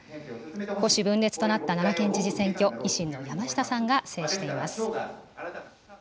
保守分裂となった奈良県知事選挙、維新の山下さんが制しています。